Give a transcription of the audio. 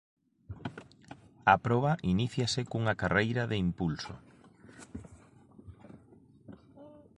A proba iníciase cunha carreira de impulso.